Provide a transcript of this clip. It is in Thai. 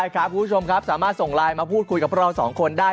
คุณผู้ชมครับสามารถส่งไลน์มาพูดคุยกับพวกเราสองคนได้